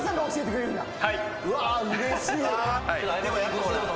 うわうれしい。